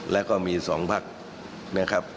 และก็มีสองพักนะครับ